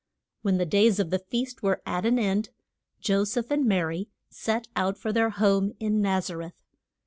When the days of the feast were at an end, Jo seph and Ma ry set out for their home in Naz a reth.